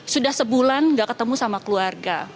sudah sebulan gak ketemu sama keluarga